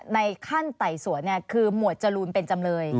ในขั้นไต่สวนคือหมวดจรูนเป็นจำเลย